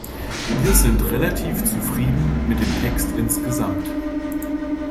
Wir sind relativ zufrieden mit dem Text insgesamt.